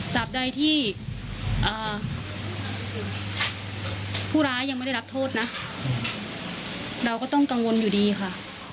ใดที่ผู้ร้ายยังไม่ได้รับโทษนะเราก็ต้องกังวลอยู่ดีค่ะ